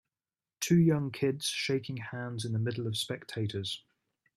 Two young kids shaking hands in the middle of spectators.